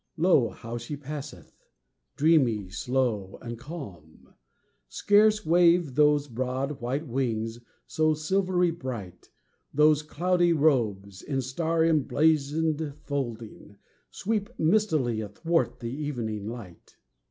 Lo how she passeth! dreamy, slow, and calm: Scarce wave those broad, white wings, so silvery bright; Those cloudy robes, in star emblazoned folding, Sweep mistily athwart the evening light.